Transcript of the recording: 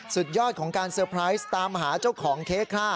สุดยอดของการเตอร์ไพรส์ตามหาเจ้าของเค้กค่ะ